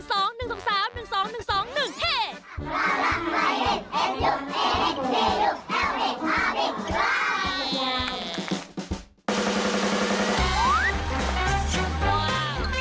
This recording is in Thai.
ร้อนรักษณะเย็นเอฟยุเอฟยุเอลวิอัลวิทร้าย